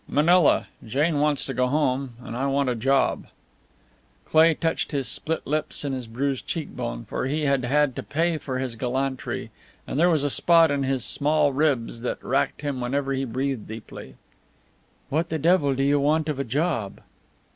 "Manila. Jane wants to go home, and I want a job." Cleigh touched his split lips and his bruised cheekbone, for he had had to pay for his gallantry; and there was a spot in his small ribs that racked him whenever he breathed deeply. "What the devil do you want of a job?"